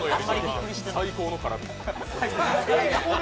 最高の絡み。